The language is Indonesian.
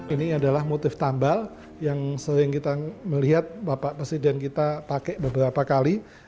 ini adalah motif tambal yang sering kita melihat bapak presiden kita pakai beberapa kali